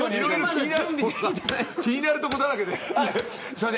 気になるところだらけ。